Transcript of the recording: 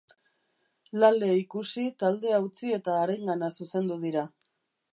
Lale ikusi, taldea utzi eta harengana zuzendu dira.